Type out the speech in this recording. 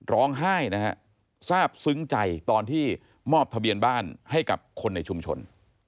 ร้องไห้นะฮะทราบซึ้งใจตอนที่มอบทะเบียนบ้านให้กับคนในชุมชน